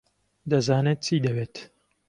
دەزانێت چی دەوێت.